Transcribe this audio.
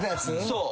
そう。